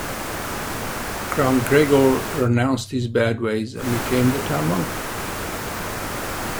Count Gregor renounced his bad ways and became the town monk.